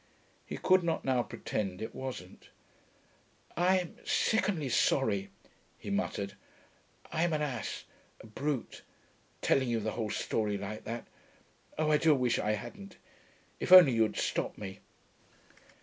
He could not now pretend it wasn't. 'I I'm sickeningly sorry,' he muttered. 'I'm an ass ... a brute ... telling you the whole story like that.... Oh, I do wish I hadn't. If only you'd stopped me.'